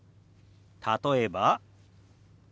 例えば。